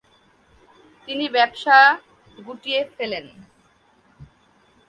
তিনি ব্যবসা গুটিয়ে ফেলেন।